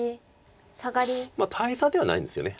大差ではないんですよね。